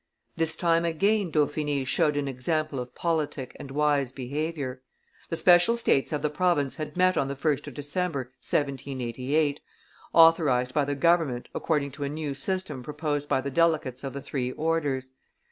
This time again Dauphiny showed an example of politic and wise behavior. The special states of the province had met on the 1st of December, 1788, authorized by the government, according to a new system proposed by the delegates of the three orders.